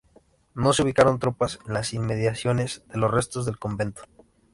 No se ubicaron tropas en las inmediaciones de los restos del convento.